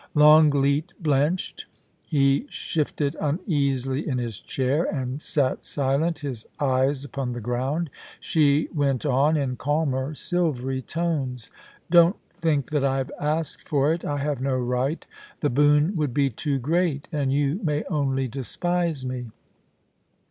Longleat blenched. He shifted uneasily in his chair, and sat silent, his eyes upon the ground. She went on, in calmer, silvery tones :' Don't think that I have asked for it ... I have no right — the boon would be too great. And you may only despise me.